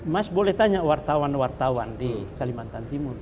mas boleh tanya wartawan wartawan di kalimantan timur